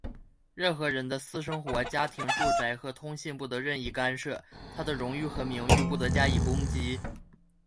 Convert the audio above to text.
任何人的私生活、家庭、住宅和通信不得任意干涉,他的荣誉和名誉不得加以攻击。